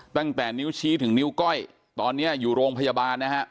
ตั้งแต่นิ้วชี้ถึงนิ้วก้อยตอนนี้อยู่โรงพยาบาลนะฮะ